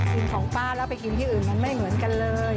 กินของป้าแล้วไปกินที่อื่นมันไม่เหมือนกันเลย